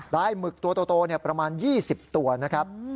หมึกตัวโตประมาณ๒๐ตัวนะครับ